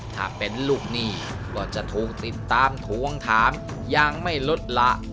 ถ้าเป็นลูกหนี้ก็จะถูกติดตามทวงถามยังไม่ลดละ